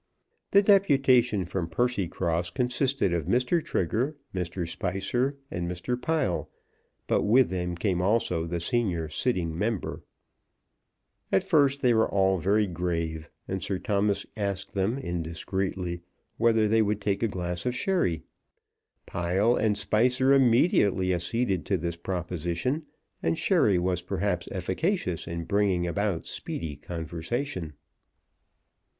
The deputation from Percycross consisted of Mr. Trigger, Mr. Spicer, and Mr. Pile; but with them came also the senior sitting member. At first they were all very grave, and Sir Thomas asked them, indiscreetly, whether they would take a glass of sherry. Pile and Spicer immediately acceded to this proposition, and sherry was perhaps efficacious in bringing about speedy conversation.